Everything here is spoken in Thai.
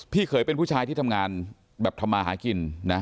เขยเป็นผู้ชายที่ทำงานแบบทำมาหากินนะ